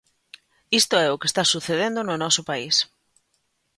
Isto é o que está sucedendo no noso país.